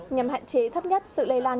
nhằm hạn chế thấp nhất sự lây lan